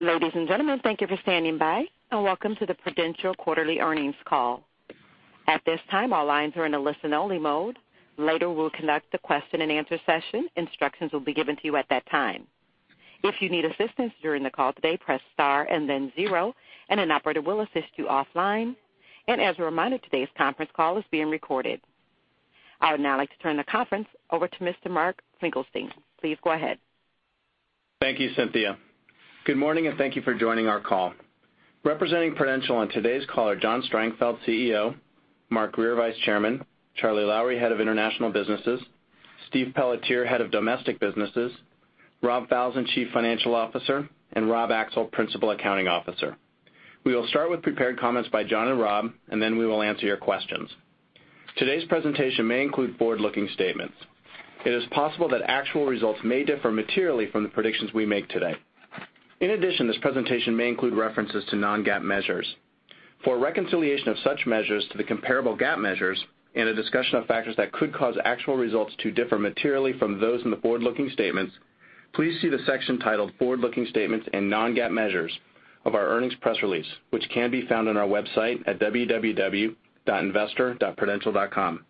Ladies and gentlemen, thank you for standing by. Welcome to the Prudential quarterly earnings call. At this time, all lines are in a listen-only mode. Later, we'll conduct the question and answer session. Instructions will be given to you at that time. If you need assistance during the call today, press star and then zero, and an operator will assist you offline. As a reminder, today's conference call is being recorded. I would now like to turn the conference over to Mr. Mark Finkelstein. Please go ahead. Thank you, Cynthia. Good morning. Thank you for joining our call. Representing Prudential on today's call are John Strangfeld, CEO, Mark Grier, Vice Chairman, Charlie Lowrey, Head of International Businesses, Steve Pelletier, Head of Domestic Businesses, Rob Falzon, Chief Financial Officer, and Rob Axel, Principal Accounting Officer. We will start with prepared comments by John and Rob. Then we will answer your questions. Today's presentation may include forward-looking statements. It is possible that actual results may differ materially from the predictions we make today. In addition, this presentation may include references to non-GAAP measures. For a reconciliation of such measures to the comparable GAAP measures and a discussion of factors that could cause actual results to differ materially from those in the forward-looking statements, please see the section titled Forward-Looking Statements & Non-GAAP Measures of our earnings press release, which can be found on our website at www.investor.prudential.com.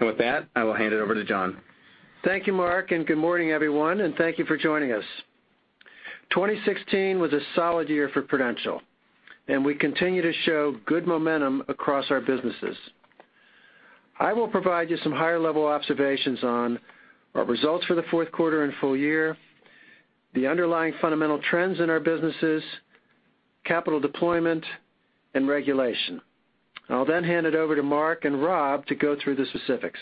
With that, I will hand it over to John. Thank you, Mark. Good morning, everyone. Thank you for joining us. 2016 was a solid year for Prudential. We continue to show good momentum across our businesses. I will provide you some higher-level observations on our results for the fourth quarter and full year, the underlying fundamental trends in our businesses, capital deployment, and regulation. I'll then hand it over to Mark and Rob to go through the specifics.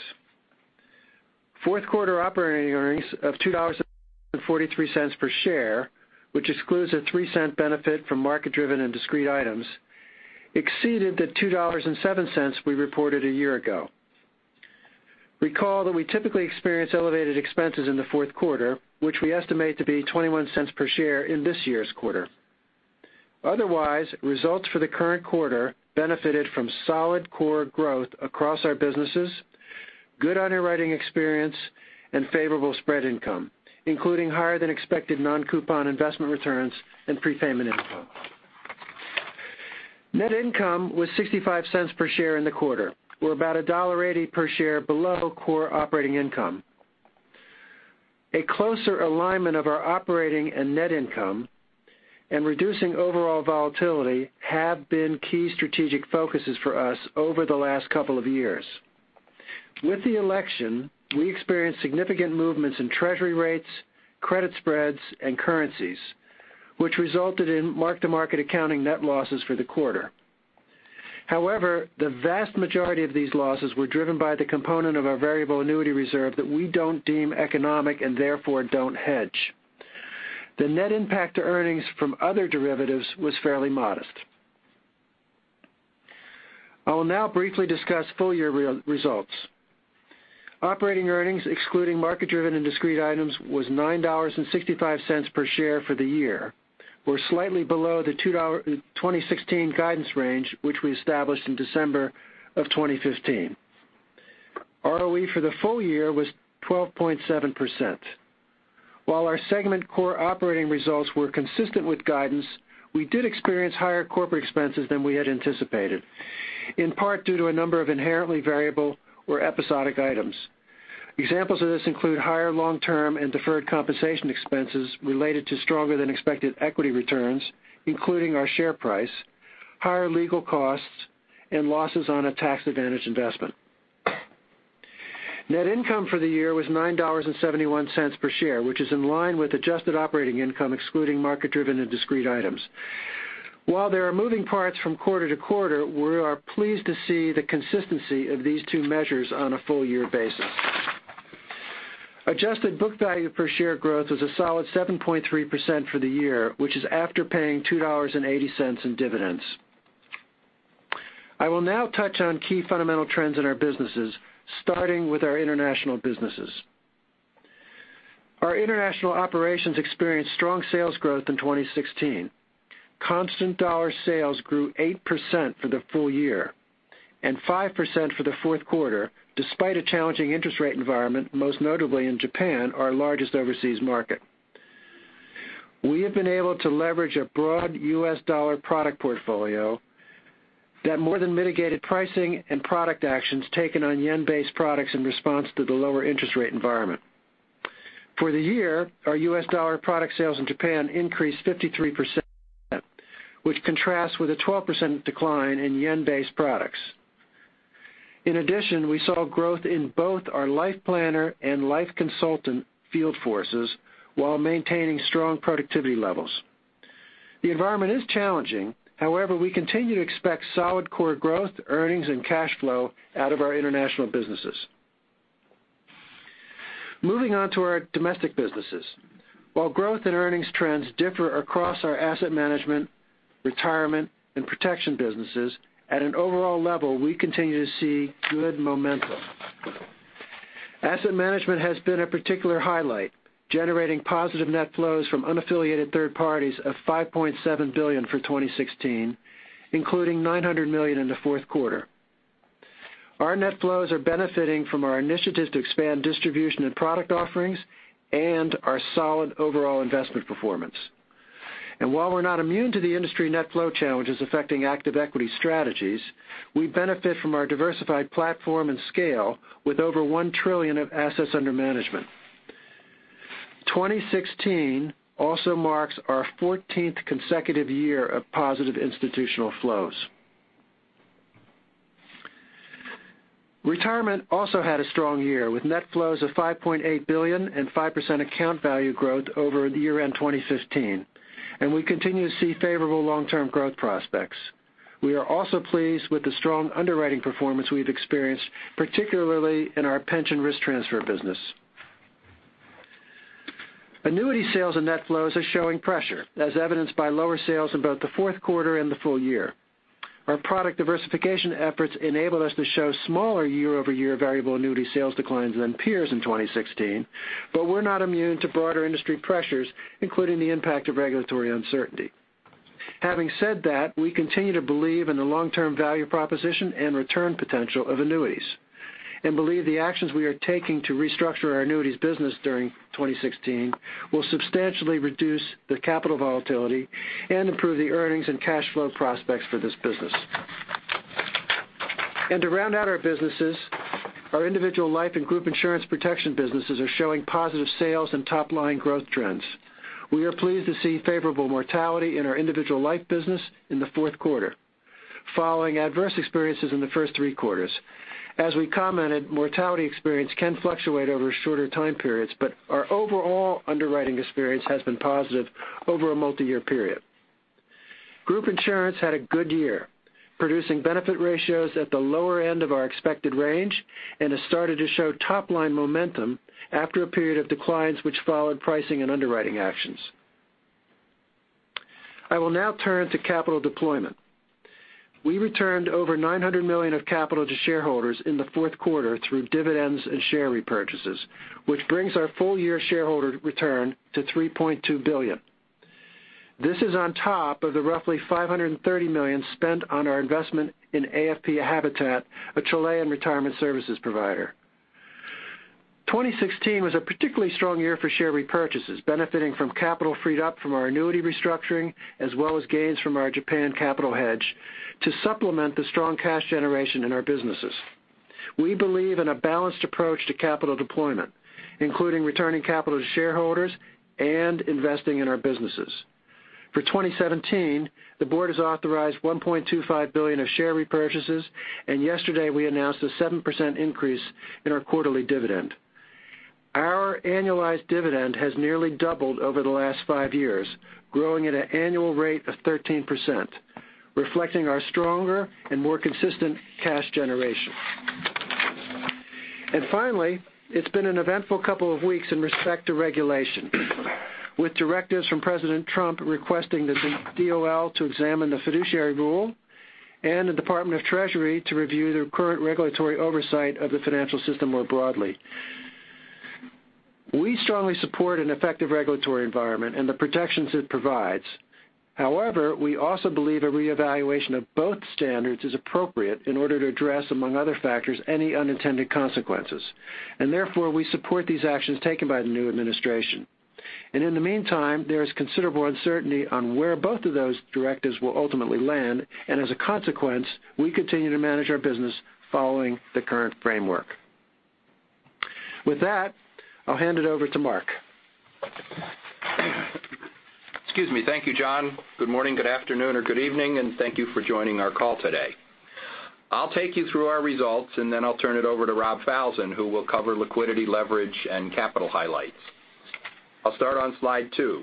Fourth quarter operating earnings of $2.43 per share, which excludes a $0.03 benefit from market-driven and discrete items, exceeded the $2.07 we reported a year ago. Recall that we typically experience elevated expenses in the fourth quarter, which we estimate to be $0.21 per share in this year's quarter. Otherwise, results for the current quarter benefited from solid core growth across our businesses, good underwriting experience, and favorable spread income, including higher than expected non-coupon investment returns and prepayment income. Net income was $0.65 per share in the quarter. We're about $1.80 per share below core operating income. A closer alignment of our operating and net income and reducing overall volatility have been key strategic focuses for us over the last couple of years. With the election, we experienced significant movements in treasury rates, credit spreads, and currencies, which resulted in mark-to-market accounting net losses for the quarter. However, the vast majority of these losses were driven by the component of our variable annuity reserve that we don't deem economic and therefore don't hedge. The net impact to earnings from other derivatives was fairly modest. I will now briefly discuss full-year results. Operating earnings, excluding market-driven and discrete items, was $9.65 per share for the year. We're slightly below the 2016 guidance range, which we established in December of 2015. ROE for the full year was 12.7%. While our segment core operating results were consistent with guidance, we did experience higher corporate expenses than we had anticipated, in part due to a number of inherently variable or episodic items. Examples of this include higher long-term and deferred compensation expenses related to stronger than expected equity returns, including our share price, higher legal costs, and losses on a tax-advantaged investment. Net income for the year was $9.71 per share, which is in line with adjusted operating income excluding market-driven and discrete items. While there are moving parts from quarter to quarter, we are pleased to see the consistency of these two measures on a full-year basis. Adjusted book value per share growth was a solid 7.3% for the year, which is after paying $2.80 in dividends. I will now touch on key fundamental trends in our businesses, starting with our international businesses. Our international operations experienced strong sales growth in 2016. Constant U.S. dollar sales grew 8% for the full year and 5% for the fourth quarter, despite a challenging interest rate environment, most notably in Japan, our largest overseas market. We have been able to leverage a broad U.S. dollar product portfolio that more than mitigated pricing and product actions taken on yen-based products in response to the lower interest rate environment. For the year, our U.S. dollar product sales in Japan increased 53%, which contrasts with a 12% decline in yen-based products. In addition, we saw growth in both our Life Planner and life consultant field forces while maintaining strong productivity levels. The environment is challenging. We continue to expect solid core growth, earnings, and cash flow out of our international businesses. Moving on to our domestic businesses. While growth and earnings trends differ across our asset management, retirement, and protection businesses, at an overall level, we continue to see good momentum. Asset management has been a particular highlight, generating positive net flows from unaffiliated third parties of $5.7 billion for 2016, including $900 million in the fourth quarter. Our net flows are benefiting from our initiatives to expand distribution and product offerings and our solid overall investment performance. While we're not immune to the industry net flow challenges affecting active equity strategies, we benefit from our diversified platform and scale with over $1 trillion of assets under management. 2016 also marks our 14th consecutive year of positive institutional flows. Retirement also had a strong year, with net flows of $5.8 billion and 5% account value growth over the year-end 2015. We continue to see favorable long-term growth prospects. We are also pleased with the strong underwriting performance we've experienced, particularly in our pension risk transfer business. Annuity sales and net flows are showing pressure, as evidenced by lower sales in both the fourth quarter and the full year. Our product diversification efforts enabled us to show smaller year-over-year variable annuity sales declines than peers in 2016. We're not immune to broader industry pressures, including the impact of regulatory uncertainty. Having said that, we continue to believe in the long-term value proposition and return potential of annuities. We believe the actions we are taking to restructure our annuities business during 2016 will substantially reduce the capital volatility and improve the earnings and cash flow prospects for this business. To round out our businesses, our individual life and group insurance protection businesses are showing positive sales and top-line growth trends. We are pleased to see favorable mortality in our individual life business in the fourth quarter, following adverse experiences in the first three quarters. As we commented, mortality experience can fluctuate over shorter time periods. Our overall underwriting experience has been positive over a multi-year period. Group insurance had a good year, producing benefit ratios at the lower end of our expected range and has started to show top-line momentum after a period of declines, which followed pricing and underwriting actions. I will now turn to capital deployment. We returned over $900 million of capital to shareholders in the fourth quarter through dividends and share repurchases, which brings our full-year shareholder return to $3.2 billion. This is on top of the roughly $530 million spent on our investment in AFP Habitat, a Chilean retirement services provider. 2016 was a particularly strong year for share repurchases, benefiting from capital freed up from our annuity restructuring, as well as gains from our Japan capital hedge to supplement the strong cash generation in our businesses. We believe in a balanced approach to capital deployment, including returning capital to shareholders and investing in our businesses. For 2017, the board has authorized $1.25 billion of share repurchases. Yesterday we announced a 7% increase in our quarterly dividend. Our annualized dividend has nearly doubled over the last five years, growing at an annual rate of 13%, reflecting our stronger and more consistent cash generation. Finally, it's been an eventful couple of weeks in respect to regulation, with directives from President Trump requesting the DOL to examine the Fiduciary Rule and the Department of the Treasury to review the current regulatory oversight of the financial system more broadly. We strongly support an effective regulatory environment and the protections it provides. However, we also believe a reevaluation of both standards is appropriate in order to address, among other factors, any unintended consequences. Therefore, we support these actions taken by the new administration. In the meantime, there is considerable uncertainty on where both of those directives will ultimately land. As a consequence, we continue to manage our business following the current framework. With that, I'll hand it over to Mark. Excuse me. Thank you, John. Good morning, good afternoon, or good evening, Thank you for joining our call today. I'll take you through our results, I'll turn it over to Rob Falzon, who will cover liquidity, leverage, and capital highlights. I'll start on slide two.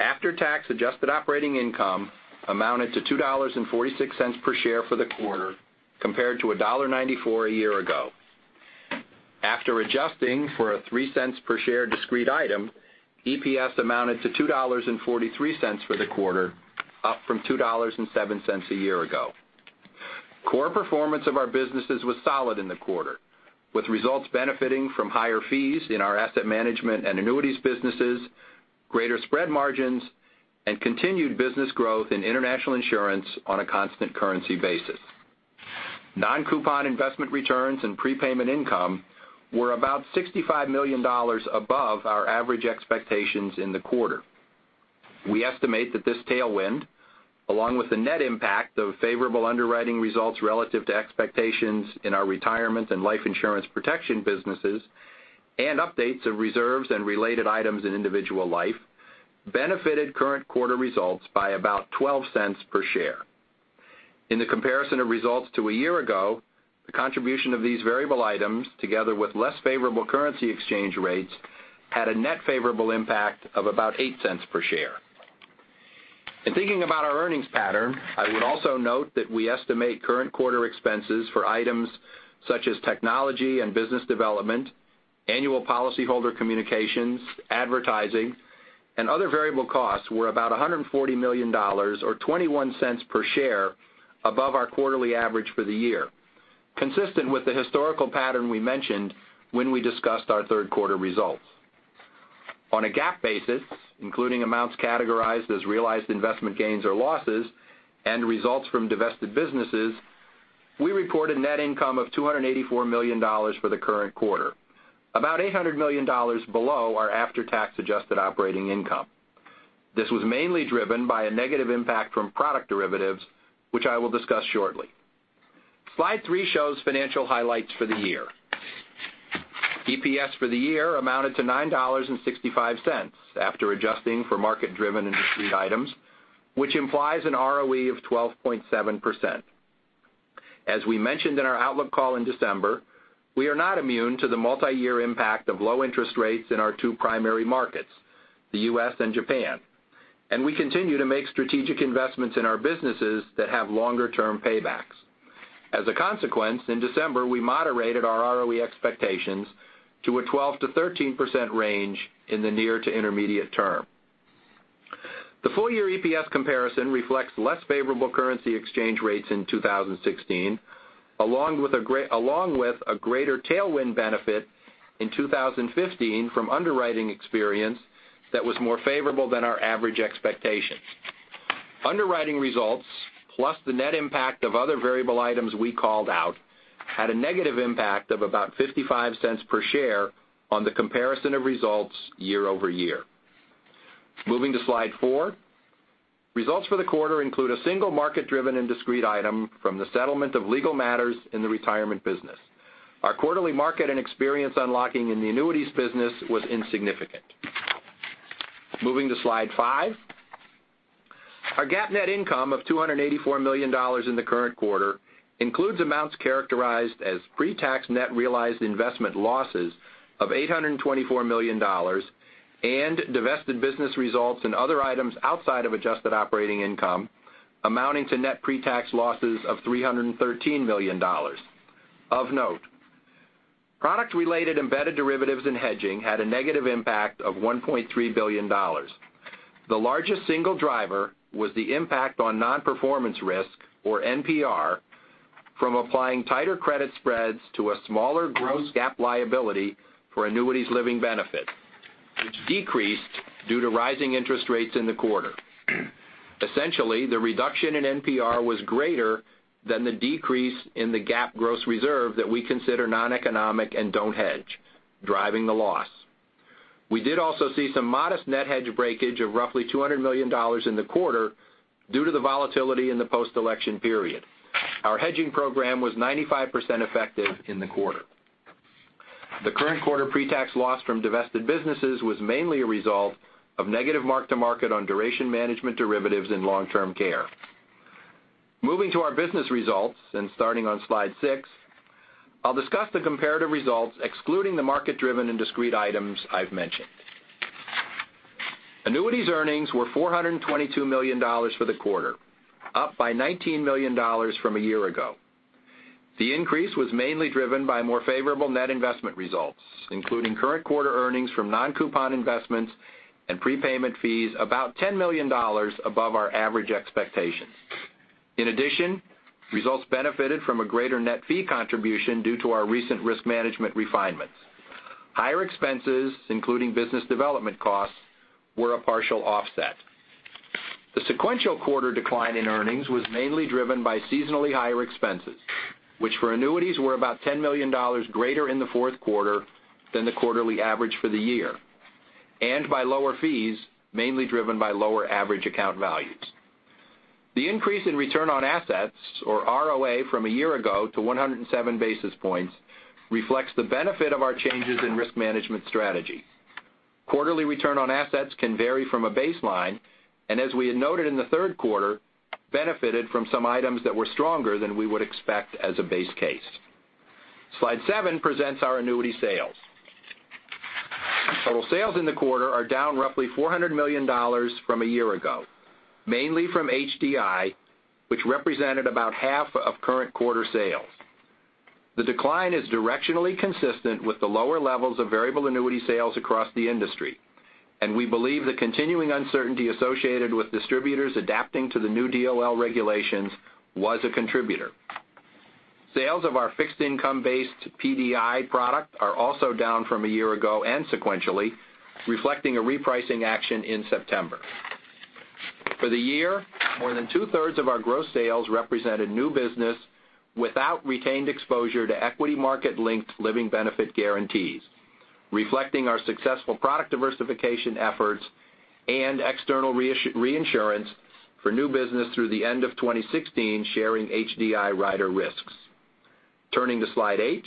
After-tax adjusted operating income amounted to $2.46 per share for the quarter, compared to $1.94 a year ago. After adjusting for a $0.03 per share discrete item, EPS amounted to $2.43 for the quarter, up from $2.07 a year ago. Core performance of our businesses was solid in the quarter, with results benefiting from higher fees in our asset management and annuities businesses, greater spread margins, and continued business growth in international insurance on a constant currency basis. Non-coupon investment returns and prepayment income were about $65 million above our average expectations in the quarter. We estimate that this tailwind, along with the net impact of favorable underwriting results relative to expectations in our retirement and life insurance protection businesses, and updates of reserves and related items in individual life, benefited current quarter results by about $0.12 per share. In the comparison of results to a year ago, the contribution of these variable items, together with less favorable currency exchange rates, had a net favorable impact of about $0.08 per share. In thinking about our earnings pattern, I would also note that we estimate current quarter expenses for items such as technology and business development, annual policyholder communications, advertising, and other variable costs were about $140 million or $0.21 per share above our quarterly average for the year, consistent with the historical pattern we mentioned when we discussed our third quarter results. On a GAAP basis, including amounts categorized as realized investment gains or losses and results from divested businesses, we reported net income of $284 million for the current quarter, about $800 million below our after-tax adjusted operating income. This was mainly driven by a negative impact from product derivatives, which I will discuss shortly. Slide three shows financial highlights for the year. EPS for the year amounted to $9.65 after adjusting for market-driven and discrete items, which implies an ROE of 12.7%. We mentioned in our outlook call in December, we are not immune to the multi-year impact of low interest rates in our two primary markets, the U.S. and Japan, we continue to make strategic investments in our businesses that have longer-term paybacks. A consequence, in December, we moderated our ROE expectations to a 12%-13% range in the near to intermediate term. The full-year EPS comparison reflects less favorable currency exchange rates in 2016, along with a greater tailwind benefit in 2015 from underwriting experience that was more favorable than our average expectations. Underwriting results, plus the net impact of other variable items we called out, had a negative impact of about $0.55 per share on the comparison of results year-over-year. Moving to slide four. Results for the quarter include a single market-driven and discrete item from the settlement of legal matters in the retirement business. Our quarterly market and experience unlocking in the annuities business was insignificant. Moving to slide five. Our GAAP net income of $284 million in the current quarter includes amounts characterized as pre-tax net realized investment losses of $824 million and divested business results and other items outside of adjusted operating income amounting to net pre-tax losses of $313 million. Of note, product-related embedded derivatives and hedging had a negative impact of $1.3 billion. The largest single driver was the impact on non-performance risk, or NPR, from applying tighter credit spreads to a smaller gross GAAP liability for annuities living benefit, which decreased due to rising interest rates in the quarter. Essentially, the reduction in NPR was greater than the decrease in the GAAP gross reserve that we consider non-economic and don't hedge, driving the loss. We did also see some modest net hedge breakage of roughly $200 million in the quarter due to the volatility in the post-election period. Our hedging program was 95% effective in the quarter. The current quarter pre-tax loss from divested businesses was mainly a result of negative mark-to-market on duration management derivatives in long-term care. Moving to our business results and starting on slide six, I'll discuss the comparative results excluding the market-driven and discrete items I've mentioned. Annuities earnings were $422 million for the quarter, up by $19 million from a year ago. The increase was mainly driven by more favorable net investment results, including current quarter earnings from non-coupon investments and prepayment fees about $10 million above our average expectations. In addition, results benefited from a greater net fee contribution due to our recent risk management refinements. Higher expenses, including business development costs, were a partial offset. The sequential quarter decline in earnings was mainly driven by seasonally higher expenses, which for annuities were about $10 million greater in the fourth quarter than the quarterly average for the year, and by lower fees, mainly driven by lower average account values. The increase in return on assets, or ROA, from a year ago to 107 basis points reflects the benefit of our changes in risk management strategy. Quarterly return on assets can vary from a baseline, and as we had noted in the third quarter, benefited from some items that were stronger than we would expect as a base case. Slide seven presents our annuity sales. Total sales in the quarter are down roughly $400 million from a year ago, mainly from HDI, which represented about half of current quarter sales. The decline is directionally consistent with the lower levels of variable annuity sales across the industry, and we believe the continuing uncertainty associated with distributors adapting to the new DOL regulations was a contributor. Sales of our fixed income-based PDI product are also down from a year ago and sequentially, reflecting a repricing action in September. For the year, more than two-thirds of our gross sales represented new business without retained exposure to equity market-linked living benefit guarantees, reflecting our successful product diversification efforts and external reinsurance for new business through the end of 2016, sharing HDI rider risks. Turning to slide eight.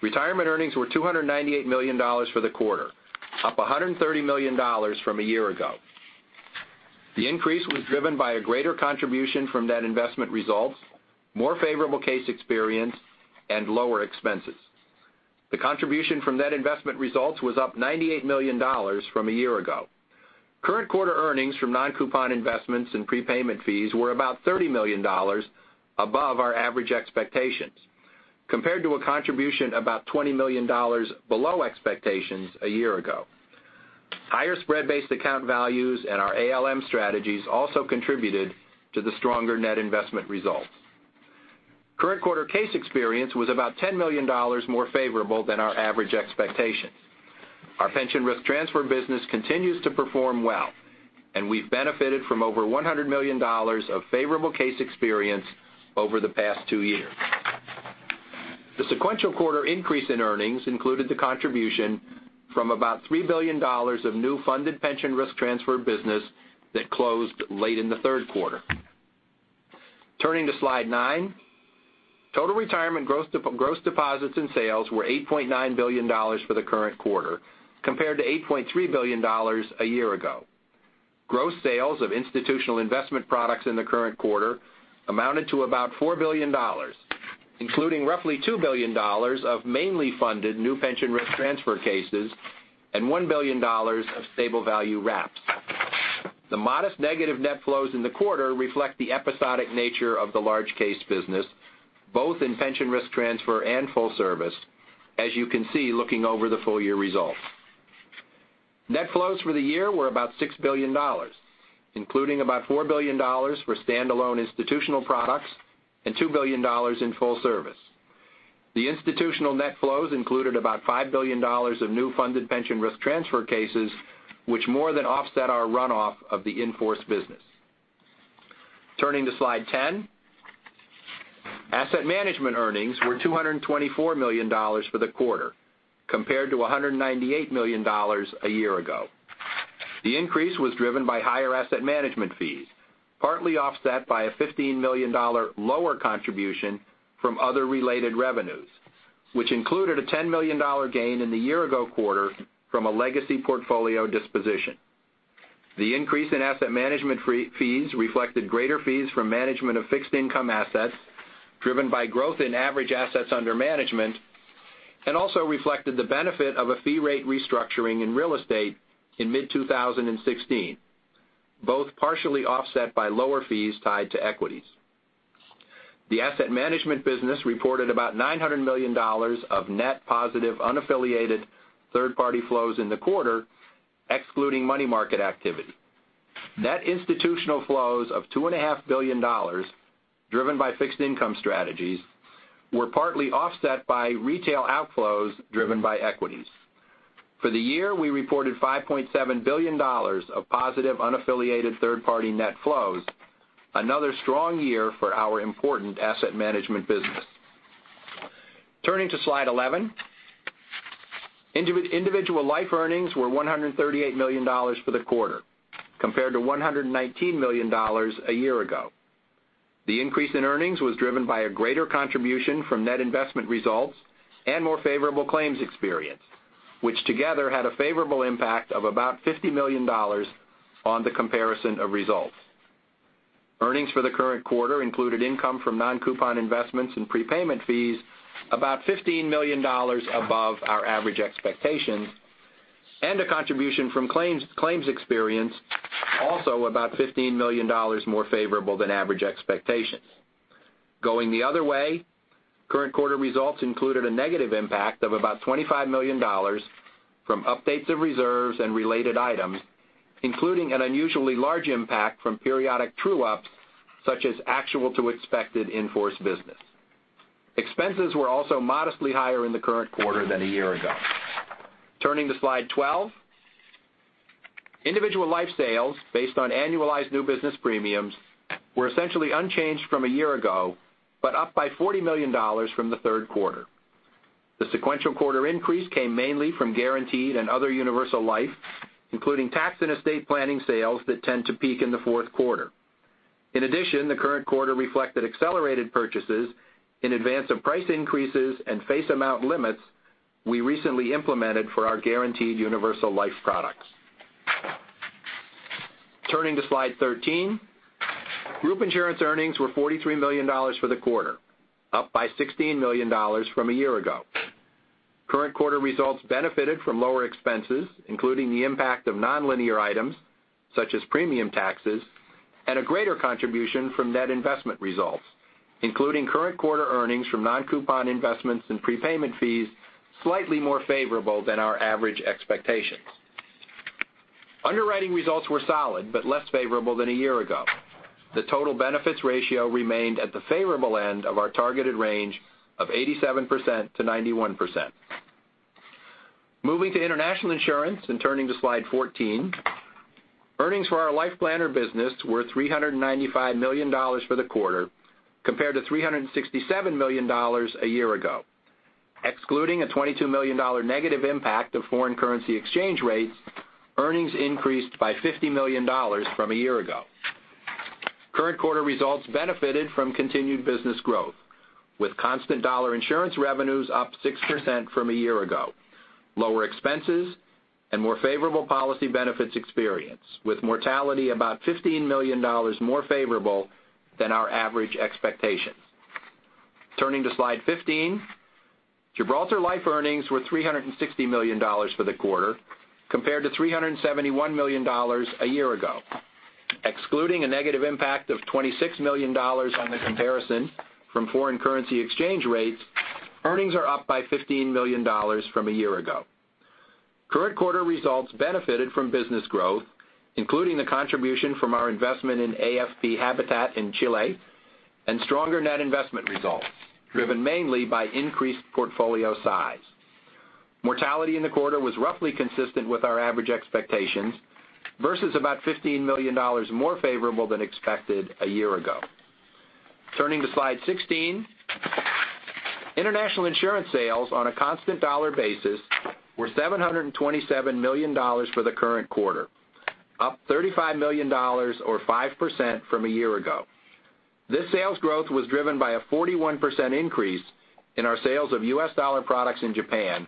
Retirement earnings were $298 million for the quarter, up $130 million from a year ago. The increase was driven by a greater contribution from net investment results, more favorable case experience, and lower expenses. The contribution from net investment results was up $98 million from a year ago. Current quarter earnings from non-coupon investments and prepayment fees were about $30 million above our average expectations, compared to a contribution about $20 million below expectations a year ago. Higher spread-based account values and our ALM strategies also contributed to the stronger net investment results. Current quarter case experience was about $10 million more favorable than our average expectations. Our pension risk transfer business continues to perform well, and we've benefited from over $100 million of favorable case experience over the past 2 years. The sequential quarter increase in earnings included the contribution from about $3 billion of new funded pension risk transfer business that closed late in the third quarter. Turning to slide 9. Total retirement gross deposits and sales were $8.9 billion for the current quarter compared to $8.3 billion a year ago. Gross sales of institutional investment products in the current quarter amounted to about $4 billion, including roughly $2 billion of mainly funded new pension risk transfer cases and $1 billion of stable value wraps. The modest negative net flows in the quarter reflect the episodic nature of the large case business, both in pension risk transfer and full service, as you can see looking over the full year results. Net flows for the year were about $6 billion, including about $4 billion for standalone institutional products and $2 billion in full service. The institutional net flows included about $5 billion of new funded pension risk transfer cases, which more than offset our runoff of the in-force business. Turning to slide 10. Asset management earnings were $224 million for the quarter, compared to $198 million a year ago. The increase was driven by higher asset management fees, partly offset by a $15 million lower contribution from other related revenues, which included a $10 million gain in the year-ago quarter from a legacy portfolio disposition. The increase in asset management fees reflected greater fees from management of fixed income assets, driven by growth in average assets under management, and also reflected the benefit of a fee rate restructuring in real estate in mid-2016, both partially offset by lower fees tied to equities. The asset management business reported about $900 million of net positive unaffiliated third-party flows in the quarter, excluding money market activity. Net institutional flows of $2.5 billion, driven by fixed income strategies, were partly offset by retail outflows driven by equities. For the year, we reported $5.7 billion of positive unaffiliated third-party net flows, another strong year for our important asset management business. Turning to slide 11. Individual life earnings were $138 million for the quarter, compared to $119 million a year ago. The increase in earnings was driven by a greater contribution from net investment results and more favorable claims experience, which together had a favorable impact of about $50 million on the comparison of results. Earnings for the current quarter included income from non-coupon investments and prepayment fees about $15 million above our average expectations, and a contribution from claims experience also about $15 million more favorable than average expectations. Going the other way, current quarter results included a negative impact of about $25 million from updates of reserves and related items, including an unusually large impact from periodic true-ups, such as actual to expected in-force business. Expenses were also modestly higher in the current quarter than a year ago. Turning to slide 12. Individual life sales, based on annualized new business premiums, were essentially unchanged from a year ago, but up by $40 million from the third quarter. The sequential quarter increase came mainly from guaranteed and other universal life, including tax and estate planning sales that tend to peak in the fourth quarter. In addition, the current quarter reflected accelerated purchases in advance of price increases and face amount limits we recently implemented for our guaranteed universal life products. Turning to slide 13. Group insurance earnings were $43 million for the quarter, up by $16 million from a year ago. Current quarter results benefited from lower expenses, including the impact of nonlinear items such as premium taxes, and a greater contribution from net investment results, including current quarter earnings from non-coupon investments and prepayment fees, slightly more favorable than our average expectations. Underwriting results were solid but less favorable than a year ago. The total benefits ratio remained at the favorable end of our targeted range of 87%-91%. Moving to international insurance and turning to slide 14. Earnings for our Life Planner business were $395 million for the quarter compared to $367 million a year ago. Excluding a $22 million negative impact of foreign currency exchange rates, earnings increased by $50 million from a year ago. Current quarter results benefited from continued business growth, with constant dollar insurance revenues up 6% from a year ago, lower expenses, and more favorable policy benefits experience, with mortality about $15 million more favorable than our average expectations. Turning to slide 15. Gibraltar Life earnings were $360 million for the quarter compared to $371 million a year ago. Excluding a negative impact of $26 million on the comparison from foreign currency exchange rates, earnings are up by $15 million from a year ago. Current quarter results benefited from business growth, including the contribution from our investment in AFP Habitat in Chile, and stronger net investment results, driven mainly by increased portfolio size. Mortality in the quarter was roughly consistent with our average expectations versus about $15 million more favorable than expected a year ago. Turning to slide 16. International insurance sales on a constant dollar basis were $727 million for the current quarter, up $35 million or 5% from a year ago. This sales growth was driven by a 41% increase in our sales of U.S. dollar products in Japan,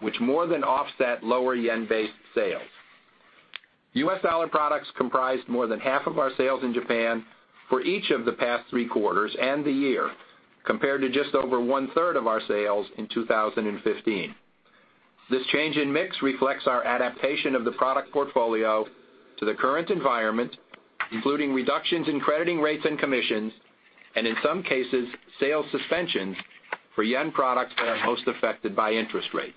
which more than offset lower yen-based sales. U.S. dollar products comprised more than half of our sales in Japan for each of the past three quarters and the year, compared to just over one-third of our sales in 2015. This change in mix reflects our adaptation of the product portfolio to the current environment, including reductions in crediting rates and commissions, and in some cases, sales suspensions for yen products that are most affected by interest rates.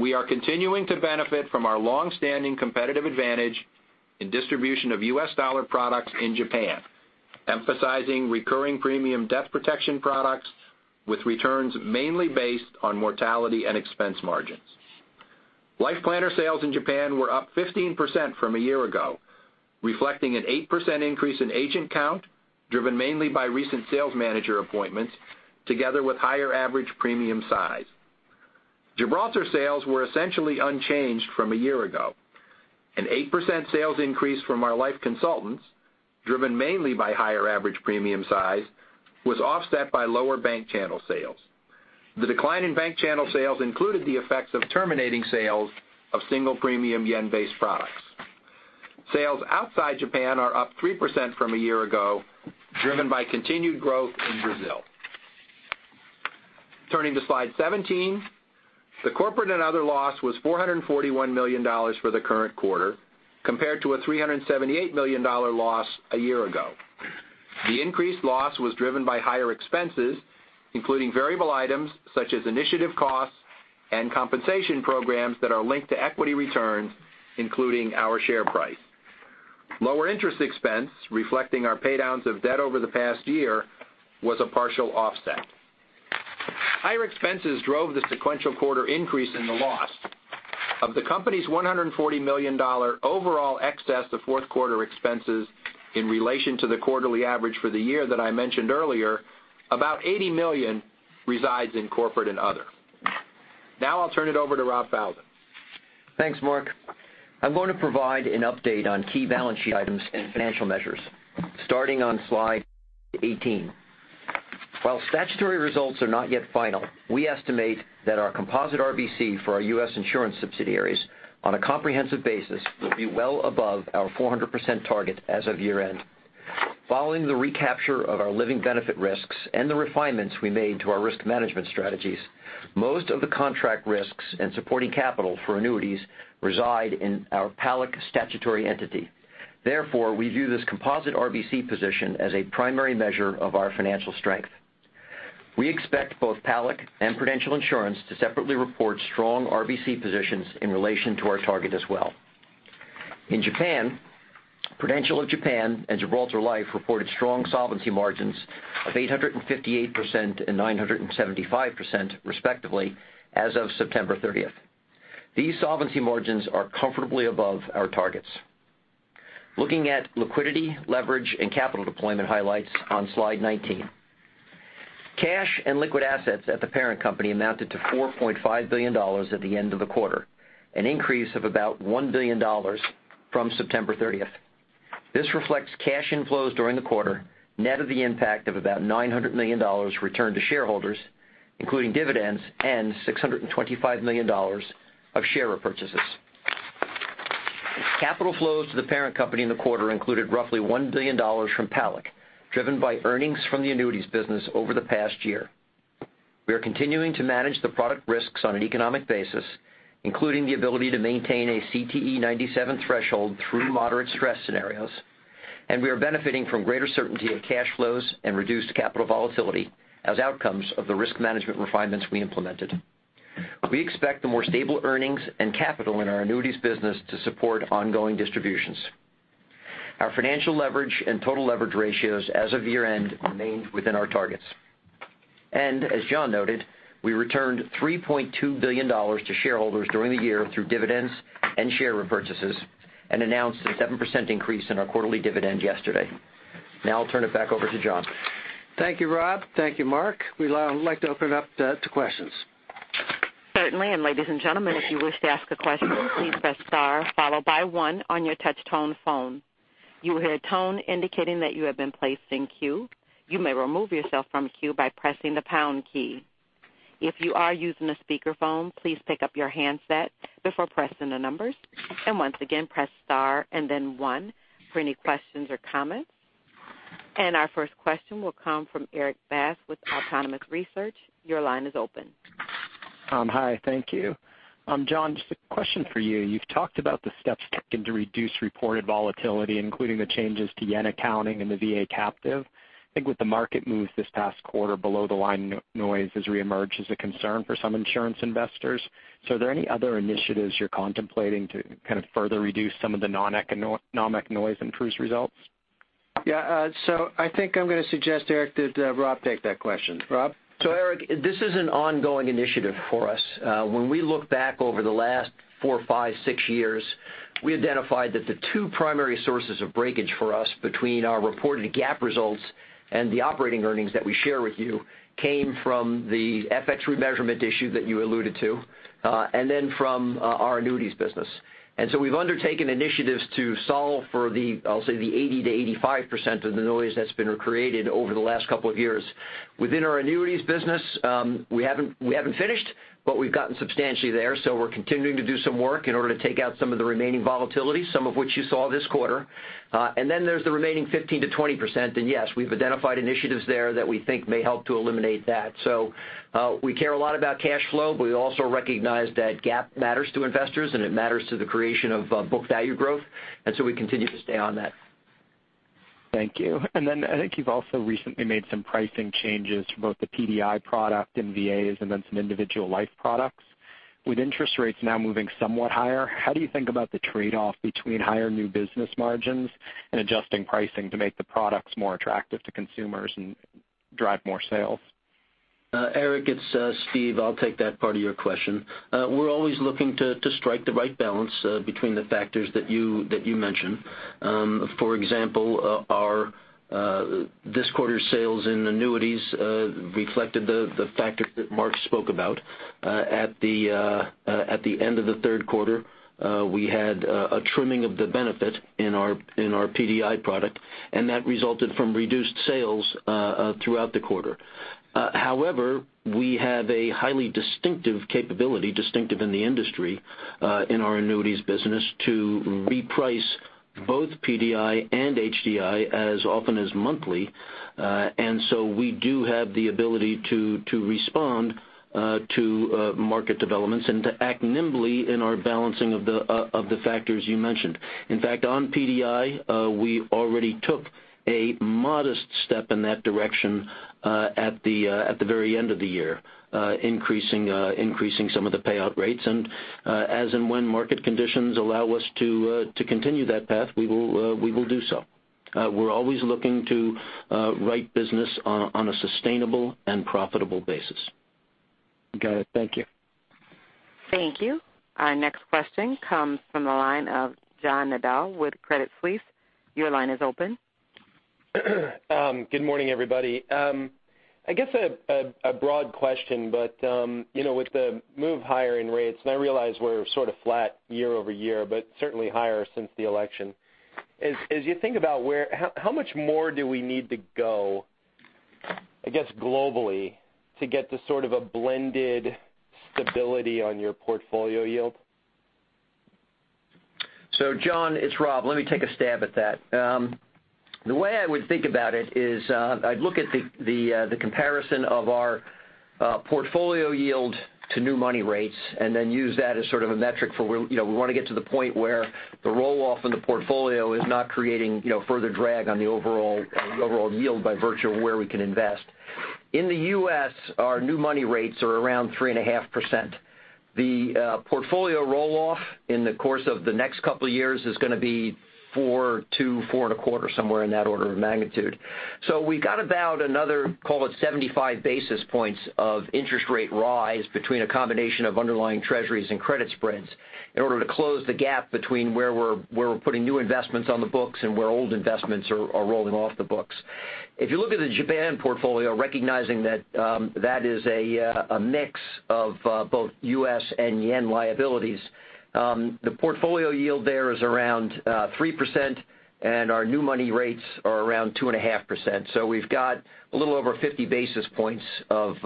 We are continuing to benefit from our longstanding competitive advantage in distribution of U.S. dollar products in Japan, emphasizing recurring premium death protection products with returns mainly based on mortality and expense margins. Life Planner sales in Japan were up 15% from a year ago, reflecting an 8% increase in agent count, driven mainly by recent sales manager appointments together with higher average premium size. Gibraltar sales were essentially unchanged from a year ago. An 8% sales increase from our life consultants, driven mainly by higher average premium size, was offset by lower bank channel sales. The decline in bank channel sales included the effects of terminating sales of single premium JPY-based products. Sales outside Japan are up 3% from a year ago, driven by continued growth in Brazil. Turning to slide 17. The corporate and other loss was $441 million for the current quarter compared to a $378 million loss a year ago. The increased loss was driven by higher expenses, including variable items such as initiative costs and compensation programs that are linked to equity returns, including our share price. Lower interest expense, reflecting our paydowns of debt over the past year, was a partial offset. Higher expenses drove the sequential quarter increase in the loss. Of the company's $140 million overall excess to fourth quarter expenses in relation to the quarterly average for the year that I mentioned earlier, about $80 million resides in corporate and other. Now I'll turn it over to Rob Falzon. Thanks, Mark. I'm going to provide an update on key balance sheet items and financial measures starting on slide 18. While statutory results are not yet final, we estimate that our composite RBC for our U.S. insurance subsidiaries on a comprehensive basis will be well above our 400% target as of year-end. Following the recapture of our living benefit risks and the refinements we made to our risk management strategies, most of the contract risks and supporting capital for annuities reside in our PALAC statutory entity. Therefore, we view this composite RBC position as a primary measure of our financial strength. We expect both PALAC and Prudential Insurance to separately report strong RBC positions in relation to our target as well. In Japan, Prudential of Japan and Gibraltar Life reported strong solvency margins of 858% and 975% respectively as of September 30th. These solvency margins are comfortably above our targets. Looking at liquidity, leverage, and capital deployment highlights on slide 19. Cash and liquid assets at the parent company amounted to $4.5 billion at the end of the quarter, an increase of about $1 billion from September 30th. This reflects cash inflows during the quarter, net of the impact of about $900 million returned to shareholders, including dividends and $625 million of share repurchases. Capital flows to the parent company in the quarter included roughly $1 billion from PALAC, driven by earnings from the annuities business over the past year. We are continuing to manage the product risks on an economic basis, including the ability to maintain a CTE 97 threshold through moderate stress scenarios, and we are benefiting from greater certainty of cash flows and reduced capital volatility as outcomes of the risk management refinements we implemented. We expect the more stable earnings and capital in our annuities business to support ongoing distributions. Our financial leverage and total leverage ratios as of year-end remained within our targets. As John noted, we returned $3.2 billion to shareholders during the year through dividends and share repurchases and announced a 7% increase in our quarterly dividend yesterday. I'll turn it back over to John. Thank you, Rob. Thank you, Mark. We'd like to open it up to questions. Certainly, ladies and gentlemen, if you wish to ask a question, please press star followed by one on your touch tone phone. You will hear a tone indicating that you have been placed in queue. You may remove yourself from queue by pressing the pound key. If you are using a speakerphone, please pick up your handset before pressing the numbers. Once again, press star and then one for any questions or comments. Our first question will come from Erik Bass with Autonomous Research. Your line is open. Hi, thank you. John, just a question for you. You've talked about the steps taken to reduce reported volatility, including the changes to yen accounting and the VA captive. I think with the market moves this past quarter below the line noise has reemerged as a concern for some insurance investors. Are there any other initiatives you're contemplating to kind of further reduce some of the non-economic noise in Pru's results? Yeah. I think I'm going to suggest Erik that Rob take that question. Rob? Erik, this is an ongoing initiative for us. When we look back over the last four, five, six years, we identified that the two primary sources of breakage for us between our reported GAAP results and the operating earnings that we share with you came from the FX remeasurement issue that you alluded to, and then from our annuities business. We've undertaken initiatives to solve for the, I'll say the 80%-85% of the noise that's been created over the last couple of years. Within our annuities business, we haven't finished, but we've gotten substantially there, so we're continuing to do some work in order to take out some of the remaining volatility, some of which you saw this quarter. There's the remaining 15%-20%, and yes, we've identified initiatives there that we think may help to eliminate that. We care a lot about cash flow, but we also recognize that GAAP matters to investors, and it matters to the creation of book value growth, and so we continue to stay on that. Thank you. I think you've also recently made some pricing changes to both the PDI product in VAs and then some individual life products. With interest rates now moving somewhat higher, how do you think about the trade-off between higher new business margins and adjusting pricing to make the products more attractive to consumers and drive more sales? Erik, it's Stephen. I'll take that part of your question. We're always looking to strike the right balance between the factors that you mentioned. For example, this quarter's sales in annuities reflected the factor that Mark spoke about. At the end of the third quarter, we had a trimming of the benefit in our PDI product. That resulted from reduced sales throughout the quarter. However, we have a highly distinctive capability, distinctive in the industry, in our annuities business to reprice both PDI and HDI as often as monthly. We do have the ability to respond to market developments and to act nimbly in our balancing of the factors you mentioned. In fact, on PDI, we already took a modest step in that direction at the very end of the year, increasing some of the payout rates. As and when market conditions allow us to continue that path, we will do so. We're always looking to write business on a sustainable and profitable basis. Got it. Thank you. Thank you. Our next question comes from the line of John Nadel with Credit Suisse. Your line is open. Good morning, everybody. I guess a broad question, but with the move higher in rates, and I realize we're sort of flat year-over-year, but certainly higher since the election, as you think about how much more do we need to go, I guess globally, to get to sort of a blended stability on your portfolio yield? John, it's Rob. Let me take a stab at that. The way I would think about it is, I'd look at the comparison of our portfolio yield to new money rates, use that as sort of a metric for where we want to get to the point where the roll-off in the portfolio is not creating further drag on the overall yield by virtue of where we can invest. In the U.S., our new money rates are around 3.5%. The portfolio roll-off in the course of the next couple of years is going to be 4%-4.25%, somewhere in that order of magnitude. We've got about another, call it 75 basis points of interest rate rise between a combination of underlying treasuries and credit spreads in order to close the gap between where we're putting new investments on the books and where old investments are rolling off the books. If you look at the Japan portfolio, recognizing that that is a mix of both U.S. and yen liabilities, the portfolio yield there is around 3% and our new money rates are around 2.5%. We've got a little over 50 basis points of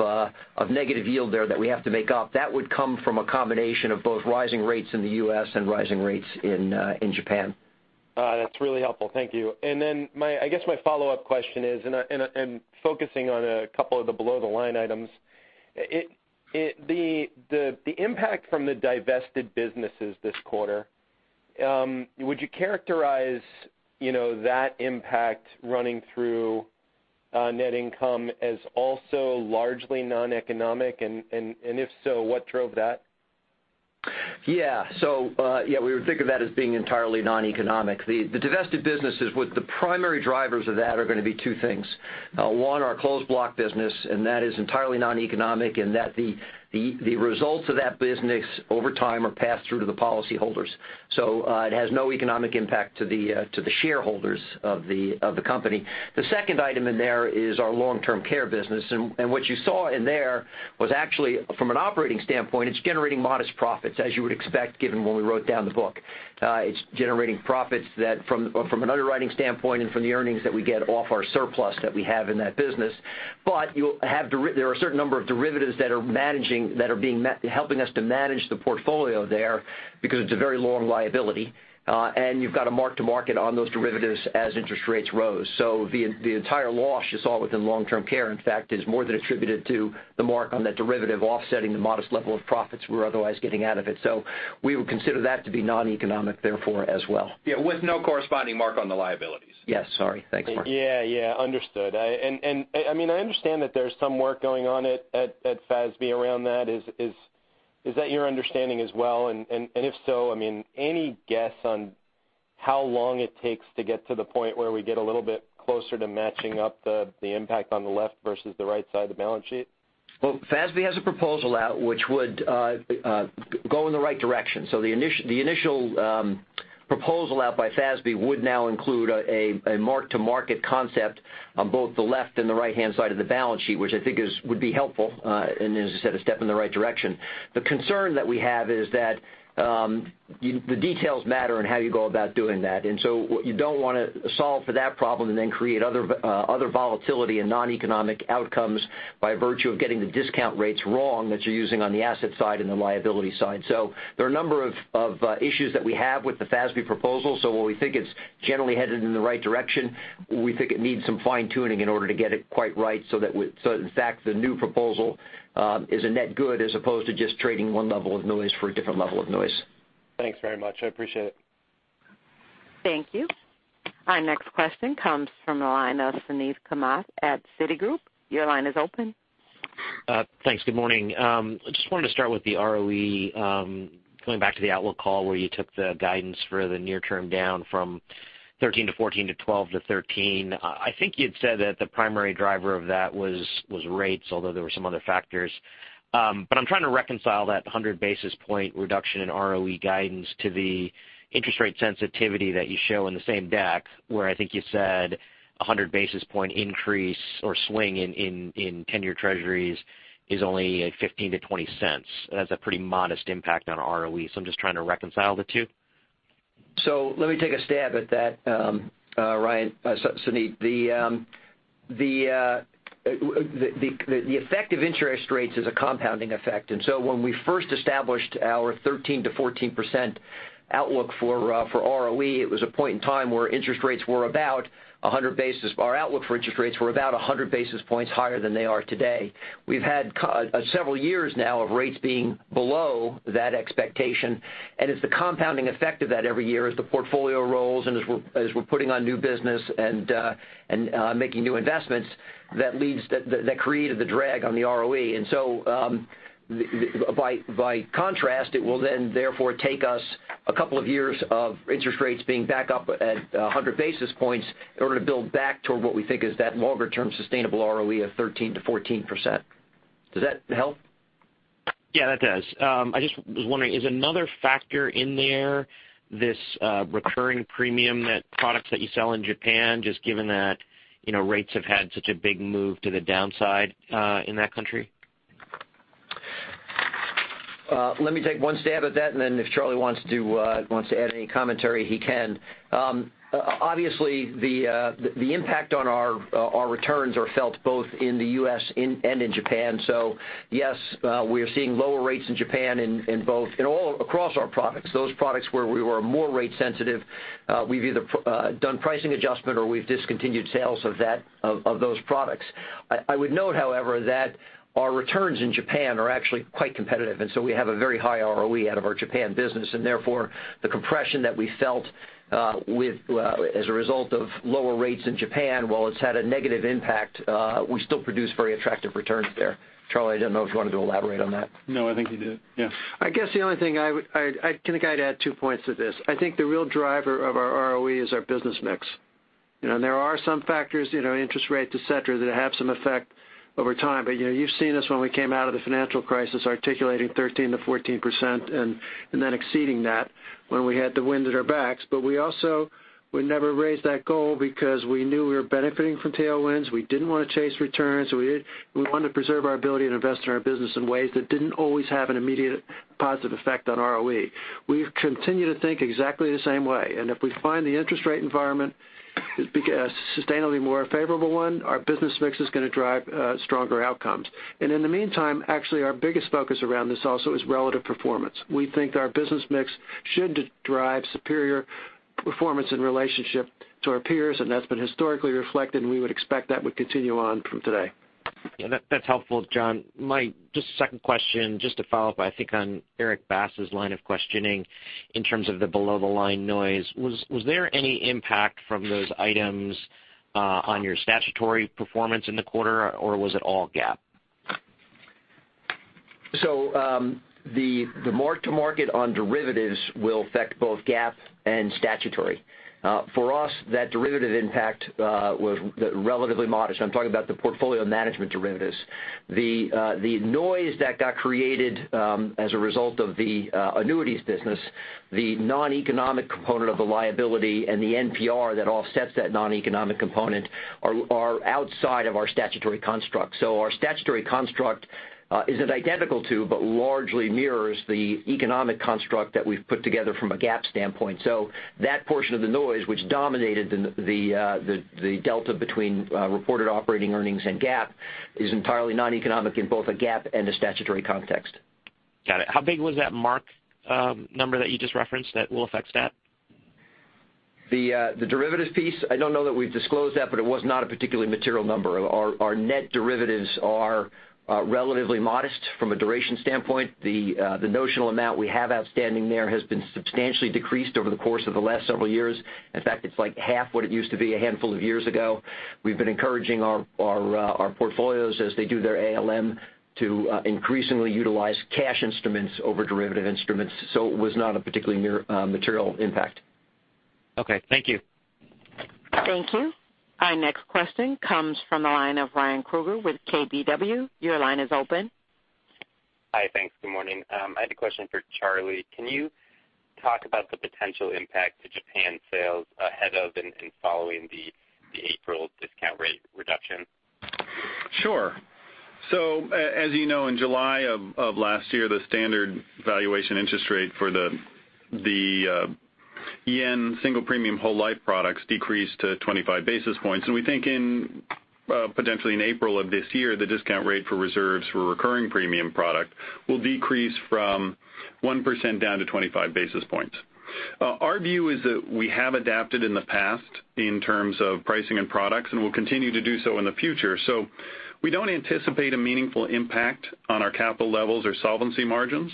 negative yield there that we have to make up. That would come from a combination of both rising rates in the U.S. and rising rates in Japan. That's really helpful. Thank you. I guess my follow-up question is, focusing on a couple of the below the line items, the impact from the divested businesses this quarter, would you characterize that impact running through net income as also largely non-economic? If so, what drove that? Yeah. We would think of that as being entirely non-economic. The divested businesses, with the primary drivers of that are going to be two things. One, our closed block business. That is entirely non-economic in that the results of that business over time are passed through to the policy holders. It has no economic impact to the shareholders of the company. The second item in there is our long-term care business, and what you saw in there was actually from an operating standpoint, it's generating modest profits, as you would expect, given when we wrote down the book. It's generating profits that from an underwriting standpoint and from the earnings that we get off our surplus that we have in that business. There are a certain number of derivatives that are helping us to manage the portfolio there because it's a very long liability. You've got to mark-to-market on those derivatives as interest rates rose. The entire loss you saw within long-term care, in fact, is more than attributed to the mark on that derivative offsetting the modest level of profits we were otherwise getting out of it. We would consider that to be non-economic, therefore, as well. Yeah, with no corresponding mark on the liabilities. Yes, sorry. Thanks, Mark. Yeah. Understood. I understand that there's some work going on at FASB around that. Is that your understanding as well? If so, any guess on how long it takes to get to the point where we get a little bit closer to matching up the impact on the left versus the right side of the balance sheet? Well, FASB has a proposal out which would go in the right direction. The initial proposal out by FASB would now include a mark-to-market concept on both the left and the right-hand side of the balance sheet, which I think would be helpful and, as I said, a step in the right direction. The concern that we have is that the details matter on how you go about doing that. You don't want to solve for that problem and then create other volatility and noneconomic outcomes by virtue of getting the discount rates wrong that you're using on the asset side and the liability side. There are a number of issues that we have with the FASB proposal. While we think it's generally headed in the right direction, we think it needs some fine-tuning in order to get it quite right so that, in fact, the new proposal is a net good as opposed to just trading one level of noise for a different level of noise. Thanks very much. I appreciate it. Thank you. Our next question comes from the line of Suneet Kamath at Citigroup. Your line is open. Thanks. Good morning. I just wanted to start with the ROE, going back to the outlook call where you took the guidance for the near term down from 13-14 to 12-13. I think you'd said that the primary driver of that was rates, although there were some other factors. I'm trying to reconcile that 100 basis point reduction in ROE guidance to the interest rate sensitivity that you show in the same deck where I think you said a 100 basis point increase or swing in 10-year Treasuries is only $0.15-$0.20. That's a pretty modest impact on ROE. I'm just trying to reconcile the two. Let me take a stab at that, Suneet. The effect of interest rates is a compounding effect. When we first established our 13%-14% outlook for ROE, it was a point in time where our outlook for interest rates were about 100 basis points higher than they are today. We've had several years now of rates being below that expectation, and it's the compounding effect of that every year as the portfolio rolls and as we're putting on new business and making new investments that created the drag on the ROE. By contrast, it will then therefore take us a couple of years of interest rates being back up at 100 basis points in order to build back toward what we think is that longer-term sustainable ROE of 13%-14%. Does that help? Yeah, that does. I just was wondering, is another factor in there this recurring premium that products that you sell in Japan, just given that rates have had such a big move to the downside in that country? Let me take one stab at that, and then if Charlie wants to add any commentary, he can. Obviously, the impact on our returns are felt both in the U.S. and in Japan. Yes, we are seeing lower rates in Japan in all across our products. Those products where we were more rate sensitive, we've either done pricing adjustment or we've discontinued sales of those products. I would note, however, that our returns in Japan are actually quite competitive, so we have a very high ROE out of our Japan business. Therefore, the compression that we felt as a result of lower rates in Japan, while it's had a negative impact, we still produce very attractive returns there. Charlie, I don't know if you wanted to elaborate on that. No, I think you did. I guess the only thing I'd add two points to this. I think the real driver of our ROE is our business mix. There are some factors, interest rate, et cetera, that have some effect over time. You've seen us when we came out of the financial crisis articulating 13%-14% and then exceeding that when we had the wind at our backs. We also would never raise that goal because we knew we were benefiting from tailwinds. We didn't want to chase returns. We wanted to preserve our ability to invest in our business in ways that didn't always have an immediate positive effect on ROE. We continue to think exactly the same way. If we find the interest rate environment is a sustainably more favorable one, our business mix is going to drive stronger outcomes. In the meantime, actually our biggest focus around this also is relative performance. We think our business mix should drive superior performance in relationship to our peers. That's been historically reflected, we would expect that would continue on from today. That's helpful, John. My just second question, just to follow up, I think, on Erik Bass' line of questioning in terms of the below the line noise. Was there any impact from those items on your statutory performance in the quarter, or was it all GAAP? The mark-to-market on derivatives will affect both GAAP and statutory. For us, that derivative impact was relatively modest. I'm talking about the portfolio management derivatives. The noise that got created as a result of the annuities business, the noneconomic component of the liability, and the NPR that offsets that noneconomic component are outside of our statutory construct. Our statutory construct isn't identical to but largely mirrors the economic construct that we've put together from a GAAP standpoint. That portion of the noise, which dominated the delta between reported operating earnings and GAAP, is entirely noneconomic in both a GAAP and a statutory context. Got it. How big was that mark number that you just referenced that will affect stat? The derivatives piece, I don't know that we've disclosed that, but it was not a particularly material number. Our net derivatives are relatively modest from a duration standpoint. The notional amount we have outstanding there has been substantially decreased over the course of the last several years. It's like half what it used to be a handful of years ago. We've been encouraging our portfolios as they do their ALM, to increasingly utilize cash instruments over derivative instruments, it was not a particularly material impact. Okay, thank you. Thank you. Our next question comes from the line of Ryan Krueger with KBW. Your line is open. Hi. Thanks. Good morning. I had a question for Charlie. Can you talk about the potential impact to Japan sales ahead of and following the April discount rate reduction? As you know, in July of last year, the standard valuation interest rate for the yen single premium whole life products decreased to 25 basis points. We think potentially in April of this year, the discount rate for reserves for recurring premium product will decrease from 1% down to 25 basis points. Our view is that we have adapted in the past in terms of pricing and products, and we'll continue to do so in the future. We don't anticipate a meaningful impact on our capital levels or solvency margins.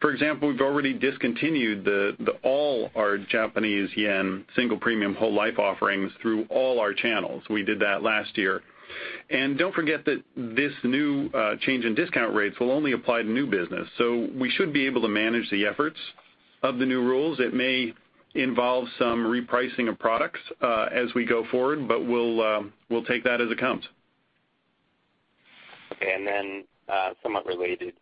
For example, we've already discontinued all our Japanese yen single premium whole life offerings through all our channels. We did that last year. Don't forget that this new change in discount rates will only apply to new business. We should be able to manage the efforts of the new rules. It may involve some repricing of products as we go forward, we'll take that as it comes. Okay. Somewhat related,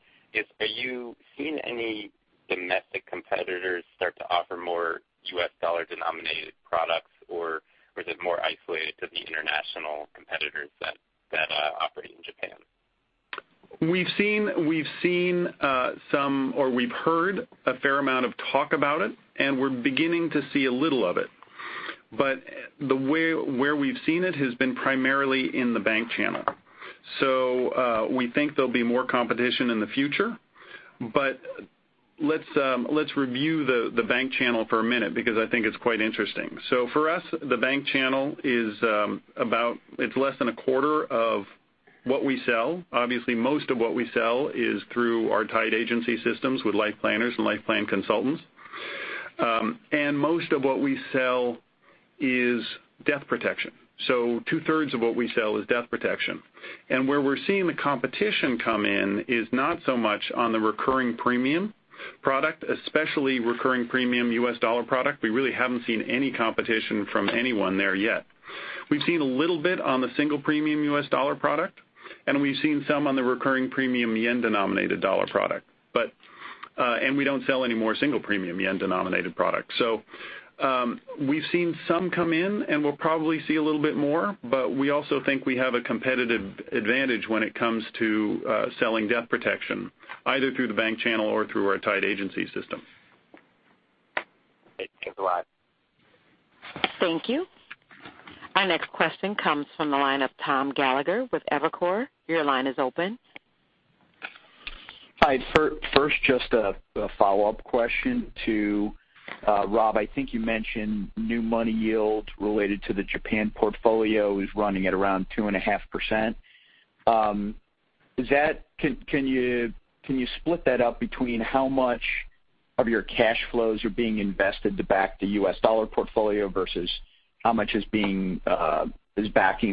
are you seeing any domestic competitors start to offer more U.S. dollar-denominated products, or is it more isolated to the international competitors that operate in Japan? We've seen some, or we've heard a fair amount of talk about it, and we're beginning to see a little of it. Where we've seen it has been primarily in the bank channel. We think there'll be more competition in the future, but let's review the bank channel for a minute because I think it's quite interesting. For us, the bank channel is less than a quarter of what we sell. Obviously, most of what we sell is through our tied agency systems with Life Planners and life plan consultants. Most of what we sell is death protection. Two-thirds of what we sell is death protection. Where we're seeing the competition come in is not so much on the recurring premium product, especially recurring premium U.S. dollar product. We really haven't seen any competition from anyone there yet. We've seen a little bit on the single premium U.S. dollar product, and we've seen some on the recurring premium yen-denominated dollar product. We don't sell any more single premium yen-denominated product. We've seen some come in, and we'll probably see a little bit more, but we also think we have a competitive advantage when it comes to selling death protection either through the bank channel or through our tied agency system. Great. Thanks a lot. Thank you. Our next question comes from the line of Thomas Gallagher with Evercore. Your line is open. Hi. First, just a follow-up question to Rob. I think you mentioned new money yield related to the Japan portfolio is running at around 2.5%. Can you split that up between how much of your cash flows are being invested to back the U.S. dollar portfolio versus how much is backing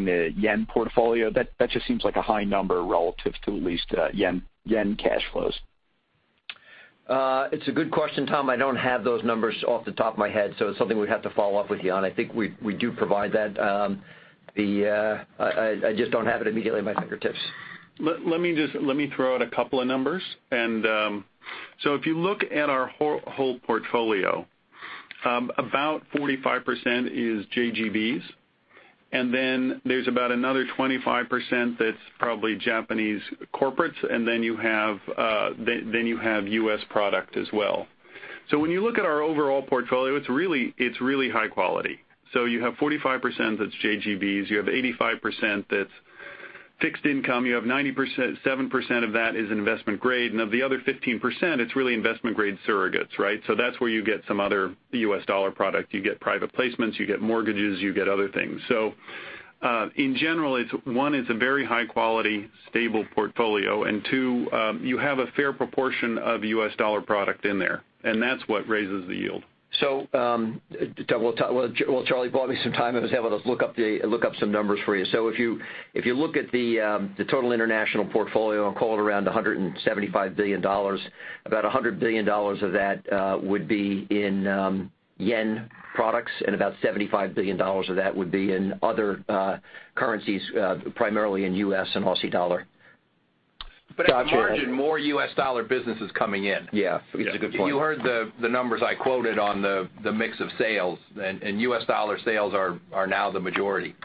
the yen portfolio? That just seems like a high number relative to at least yen cash flows. It's a good question, Tom. I don't have those numbers off the top of my head, so it's something we'd have to follow up with you on. I think we do provide that. I just don't have it immediately at my fingertips. Let me throw out a couple of numbers. If you look at our whole portfolio, about 45% is JGBs, and then there's about another 25% that's probably Japanese corporates, and then you have U.S. product as well. When you look at our overall portfolio, it's really high quality. You have 45% that's JGBs, you have 85% that's fixed income, you have 97% of that is investment grade, and of the other 15%, it's really investment grade surrogates, right? That's where you get some other U.S. dollar product. You get private placements, you get mortgages, you get other things. In general, one, it's a very high-quality, stable portfolio, and two, you have a fair proportion of U.S. dollar product in there, and that's what raises the yield. While Charlie bought me some time, I was able to look up some numbers for you. If you look at the total international portfolio, I call it around $175 billion, about $100 billion of that would be in JPY products, and about $75 billion of that would be in other currencies, primarily in U.S. and AUD. At the margin, more U.S. dollar business is coming in. Yes, that's a good point. You heard the numbers I quoted on the mix of sales, and U.S. dollar sales are now the majority.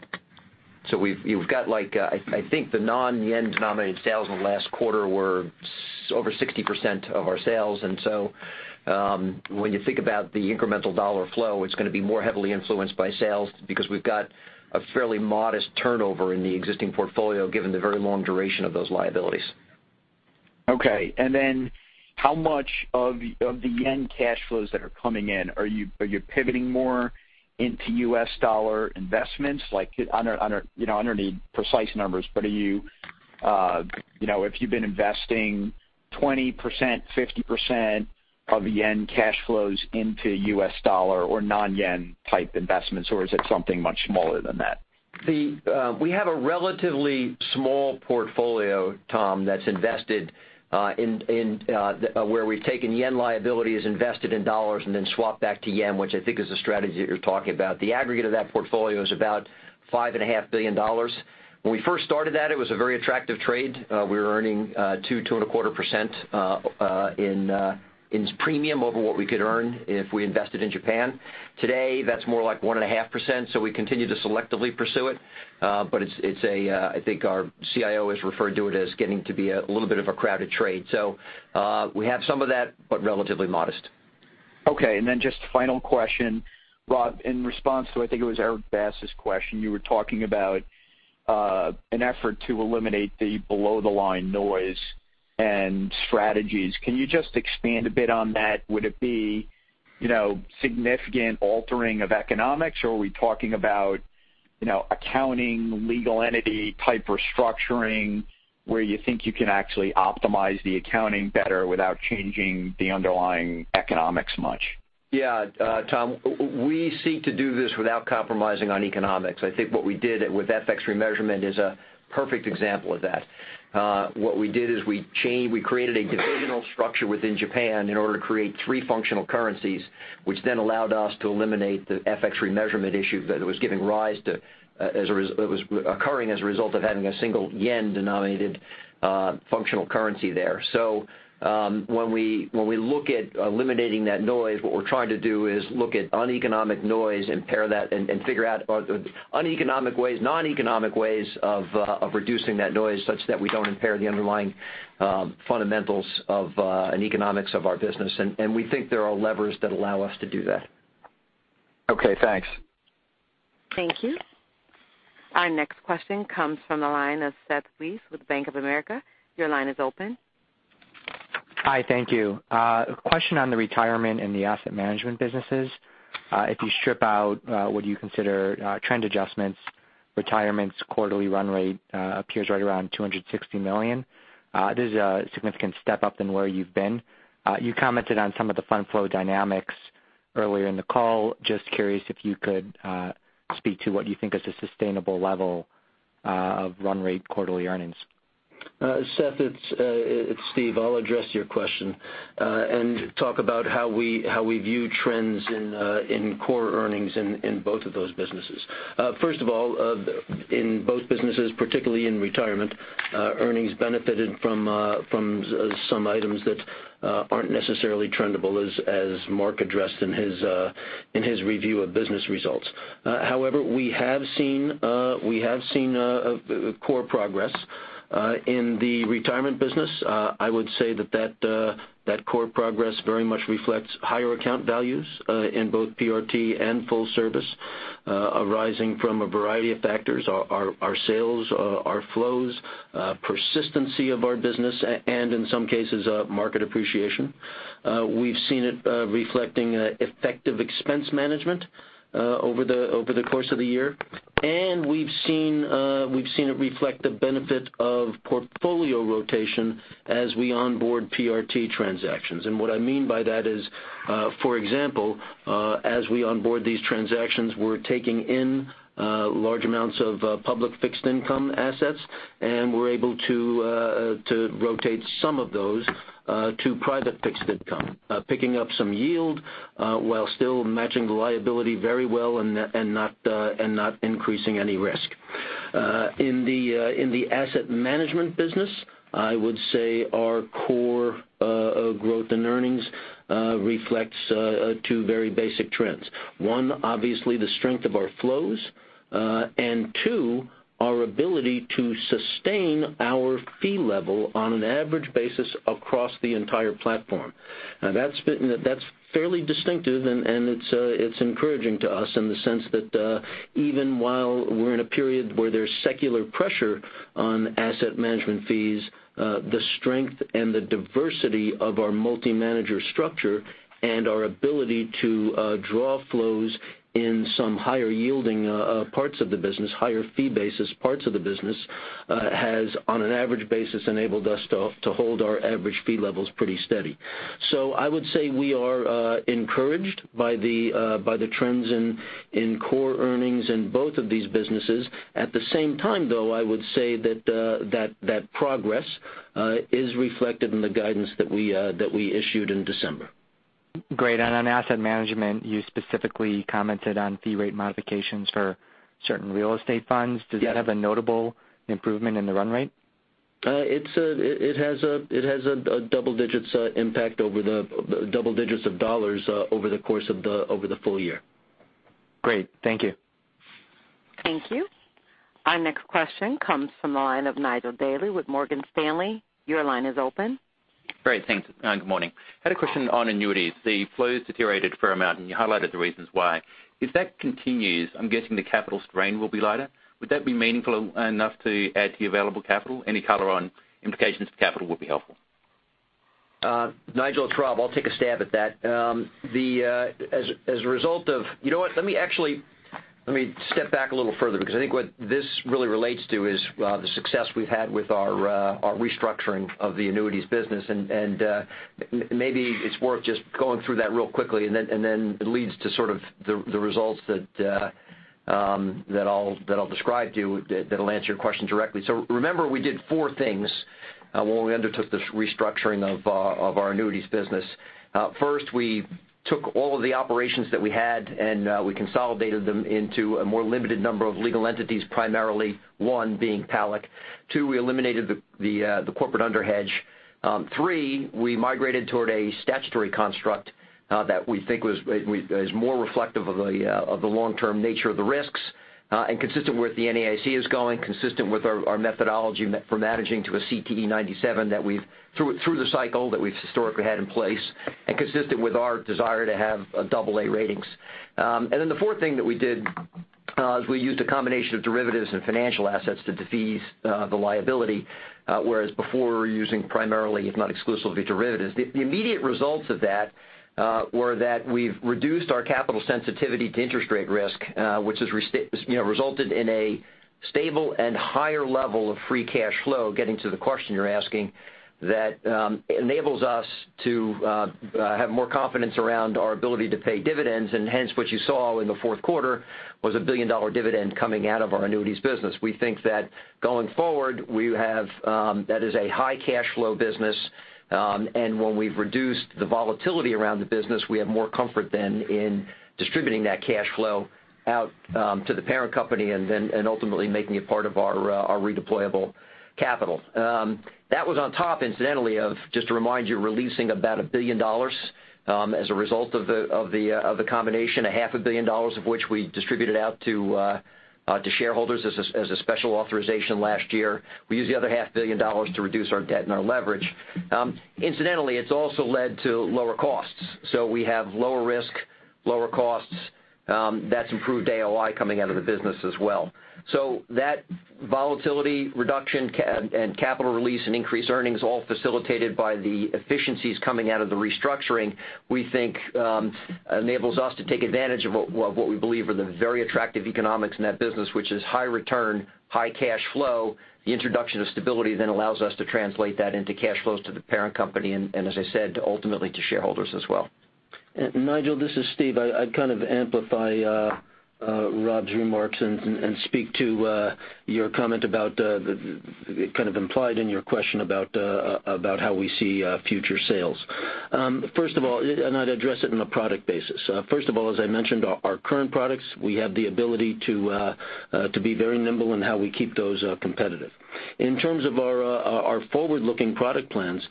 We've got like, I think the non-yen denominated sales in the last quarter were over 60% of our sales. When you think about the incremental dollar flow, it's going to be more heavily influenced by sales because we've got a fairly modest turnover in the existing portfolio given the very long duration of those liabilities. Okay. How much of the yen cash flows that are coming in, are you pivoting more into US dollar investments? I don't need precise numbers, but have you been investing 20%, 50% of yen cash flows into US dollar or non-yen type investments or is it something much smaller than that? We have a relatively small portfolio, Tom, that's invested in where we've taken yen liabilities invested in dollars and then swap back to yen, which I think is the strategy that you're talking about. The aggregate of that portfolio is about $5.5 billion. When we first started that, it was a very attractive trade. We were earning 2%, 2.25% in premium over what we could earn if we invested in Japan. Today, that's more like 1.5%, we continue to selectively pursue it. I think our CIO has referred to it as getting to be a little bit of a crowded trade. We have some of that, but relatively modest. Okay. Just final question, Rob, in response to, I think it was Erik Bass' question, you were talking about an effort to eliminate the below the line noise and strategies. Can you just expand a bit on that? Would it be significant altering of economics or are we talking about accounting legal entity type restructuring where you think you can actually optimize the accounting better without changing the underlying economics much? Yeah. Tom, we seek to do this without compromising on economics. I think what we did with FX remeasurement is a perfect example of that. What we did is we created a divisional structure within Japan in order to create three functional currencies, which then allowed us to eliminate the FX remeasurement issue that was occurring as a result of having a single yen-denominated functional currency there. When we look at eliminating that noise, what we're trying to do is look at uneconomic noise and figure out noneconomic ways of reducing that noise such that we don't impair the underlying fundamentals and economics of our business. We think there are levers that allow us to do that. Okay, thanks. Thank you. Our next question comes from the line of Seth Weiss with Bank of America. Your line is open. Hi, thank you. A question on the retirement and the asset management businesses. If you strip out what you consider trend adjustments, retirement's quarterly run rate appears right around $260 million. This is a significant step up in where you've been. You commented on some of the fund flow dynamics earlier in the call. Just curious if you could speak to what you think is a sustainable level of run rate quarterly earnings. Seth, it is Stephen. I will address your question and talk about how we view trends in core earnings in both of those businesses. First of all, in both businesses, particularly in retirement, earnings benefited from some items that are not necessarily trendable, as Mark addressed in his review of business results. However, we have seen core progress. In the retirement business, I would say that that core progress very much reflects higher account values in both PRT and full service, arising from a variety of factors, our sales, our flows, persistency of our business, and in some cases, market appreciation. We have seen it reflecting effective expense management over the course of the year. We have seen it reflect the benefit of portfolio rotation as we onboard PRT transactions. What I mean by that is, for example, as we onboard these transactions, we are taking in large amounts of public fixed income assets, and we are able to rotate some of those to private fixed income, picking up some yield while still matching the liability very well and not increasing any risk. In the asset management business, I would say our core growth in earnings reflects two very basic trends. One, obviously the strength of our flows, and two, our ability to sustain our fee level on an average basis across the entire platform. Now that is fairly distinctive, and it is encouraging to us in the sense that even while we are in a period where there is secular pressure on asset management fees, the strength and the diversity of our multi-manager structure and our ability to draw flows in some higher yielding parts of the business, higher fee basis parts of the business has, on an average basis, enabled us to hold our average fee levels pretty steady. I would say we are encouraged by the trends in core earnings in both of these businesses. At the same time, though, I would say that that progress is reflected in the guidance that we issued in December. Great. On asset management, you specifically commented on fee rate modifications for certain real estate funds. Yeah. Does that have a notable improvement in the run rate? It has a double digits of dollars over the course of the full year. Great. Thank you. Thank you. Our next question comes from the line of Nigel Dally with Morgan Stanley. Your line is open. Great. Thanks, and good morning. I had a question on annuities. The flows deteriorated a fair amount, and you highlighted the reasons why. If that continues, I'm guessing the capital strain will be lighter. Would that be meaningful enough to add to the available capital? Any color on implications to capital would be helpful. Nigel, it's Rob. I'll take a stab at that. You know what? Let me step back a little further because I think what this really relates to is the success we've had with our restructuring of the annuities business, and maybe it's worth just going through that real quickly, and then it leads to the results that I'll describe to you that'll answer your question directly. Remember we did four things when we undertook this restructuring of our annuities business. First, we took all of the operations that we had, and we consolidated them into a more limited number of legal entities, primarily one being PALAC. Two, we eliminated the corporate underhedge. Three, we migrated toward a statutory construct that we think is more reflective of the long-term nature of the risks, and consistent with the NAIC is going, consistent with our methodology for managing to a CTE 97 through the cycle that we've historically had in place, and consistent with our desire to have a double A ratings. The fourth thing that we did, is we used a combination of derivatives and financial assets to defease the liability, whereas before we were using primarily, if not exclusively, derivatives. The immediate results of that were that we've reduced our capital sensitivity to interest rate risk, which has resulted in a stable and higher level of free cash flow, getting to the question you're asking, that enables us to have more confidence around our ability to pay dividends, and hence what you saw in the fourth quarter was a billion-dollar dividend coming out of our annuities business. We think that going forward, that is a high cash flow business. When we've reduced the volatility around the business, we have more comfort then in distributing that cash flow out to the parent company and ultimately making it part of our redeployable capital. That was on top, incidentally, of just to remind you, releasing about $1 billion as a result of the combination, half a billion dollars of which we distributed out to shareholders as a special authorization last year. We used the other half billion dollars to reduce our debt and our leverage. Incidentally, it's also led to lower costs. We have lower risk, lower costs, that's improved AOI coming out of the business as well. That volatility reduction and capital release and increased earnings all facilitated by the efficiencies coming out of the restructuring, we think enables us to take advantage of what we believe are the very attractive economics in that business, which is high return, high cash flow. The introduction of stability then allows us to translate that into cash flows to the parent company, and as I said, ultimately to shareholders as well. Nigel, this is Steve. I'd kind of amplify Rob's remarks and speak to your comment about, kind of implied in your question about how we see future sales. First of all, I'd address it on a product basis. First of all, as I mentioned, our current products, we have the ability to be very nimble in how we keep those competitive. In terms of our forward-looking product plans,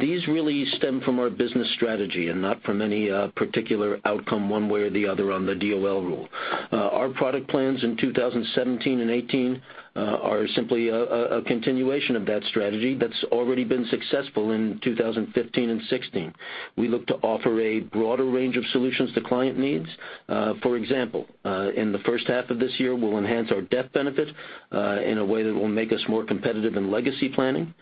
these really stem from our business strategy and not from any particular outcome one way or the other on the DOL rule. Our product plans in 2017 and 2018 are simply a continuation of that strategy that's already been successful in 2015 and 2016. We look to offer a broader range of solutions to client needs. For example, in the first half of this year, we'll enhance our death benefit in a way that will make us more competitive in legacy planning.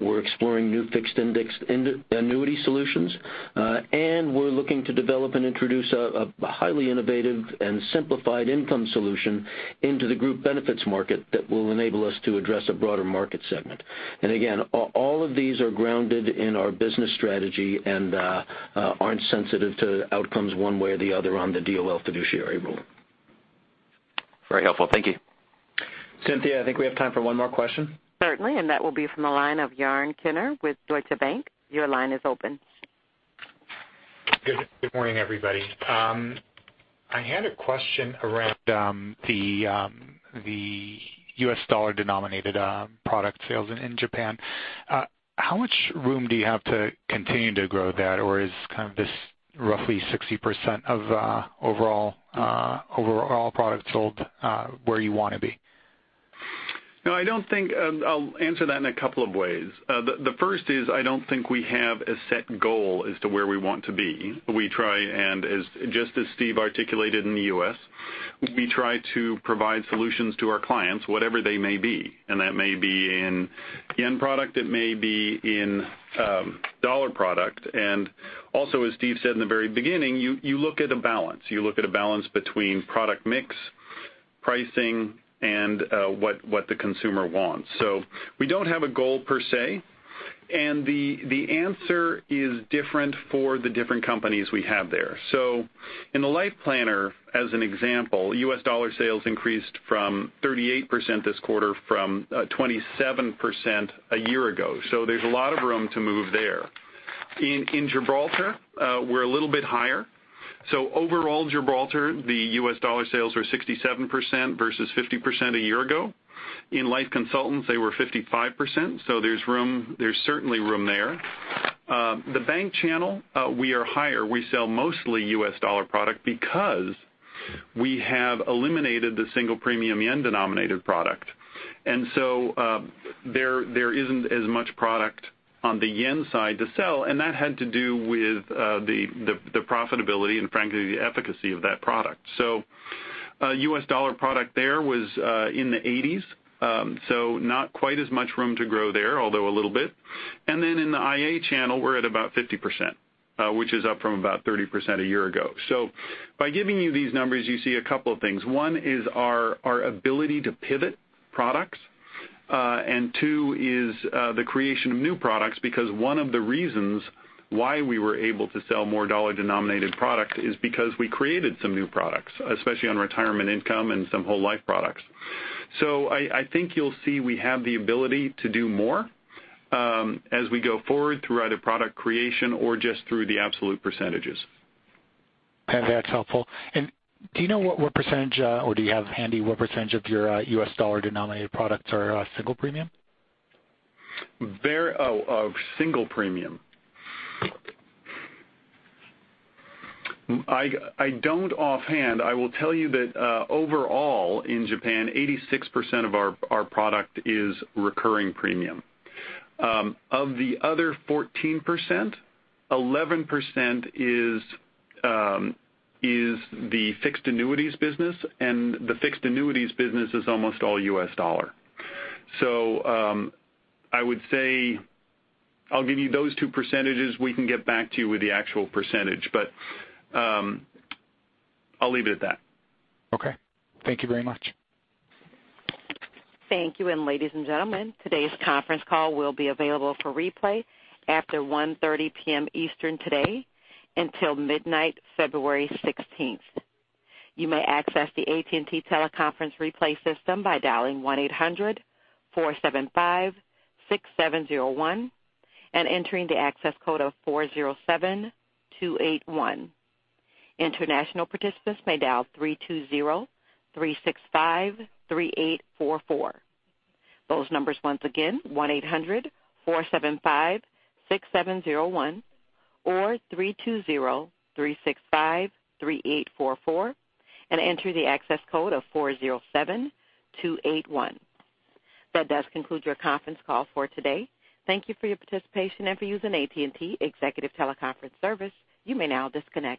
We're exploring new fixed indexed annuity solutions. We're looking to develop and introduce a highly innovative and simplified income solution into the group benefits market that will enable us to address a broader market segment. Again, all of these are grounded in our business strategy and aren't sensitive to outcomes one way or the other on the DOL Fiduciary Rule. Very helpful. Thank you. Cynthia, I think we have time for one more question. Certainly, that will be from the line of Yaron Kinar with Deutsche Bank. Your line is open. Good morning, everybody. I had a question around the U.S. dollar-denominated product sales in Japan. How much room do you have to continue to grow that or is kind of this roughly 60% of overall products sold where you want to be? No, I'll answer that in a couple of ways. The first is, I don't think we have a set goal as to where we want to be. Just as Steve articulated in the U.S., we try to provide solutions to our clients, whatever they may be. That may be in yen product, it may be in dollar product. Also, as Steve said in the very beginning, you look at a balance. You look at a balance between product mix, pricing, and what the consumer wants. We don't have a goal, per se, and the answer is different for the different companies we have there. In the LifePlanner, as an example, U.S. dollar sales increased from 38% this quarter from 27% a year ago. There's a lot of room to move there. In Gibraltar, we're a little bit higher. Overall, Gibraltar, the U.S. dollar sales were 67% versus 50% a year ago. In Life Consultants, they were 55%, so there's certainly room there. The bank channel, we are higher. We sell mostly U.S. dollar product because we have eliminated the single premium yen-denominated product. There isn't as much product on the yen side to sell, and that had to do with the profitability and frankly, the efficacy of that product. U.S. dollar product there was in the eighties, so not quite as much room to grow there, although a little bit. In the IA channel, we're at about 50%, which is up from about 30% a year ago. By giving you these numbers, you see a couple of things. One is our ability to pivot products, and two is the creation of new products because one of the reasons why we were able to sell more dollar-denominated product is because we created some new products, especially on retirement income and some whole life products. I think you'll see we have the ability to do more as we go forward throughout a product creation or just through the absolute percentages. Okay. That's helpful. Do you know what percentage, or do you have handy what percentage of your U.S. dollar-denominated products are single premium? Of single premium? I don't offhand. I will tell you that overall in Japan, 86% of our product is recurring premium. Of the other 14%, 11% is the fixed annuities business, and the fixed annuities business is almost all U.S. dollar. I would say I'll give you those two percentages. We can get back to you with the actual percentage, but I'll leave it at that. Okay. Thank you very much. Thank you. Ladies and gentlemen, today's conference call will be available for replay after 1:30 P.M. Eastern today until midnight February 16th. You may access the AT&T teleconference replay system by dialing 1-800-475-6701 and entering the access code of 407281. International participants may dial 320-365-3844. Those numbers once again, 1-800-475-6701 or 320-365-3844 and enter the access code of 407281. That does conclude your conference call for today. Thank you for your participation and for using AT&T Executive Teleconference Service. You may now disconnect.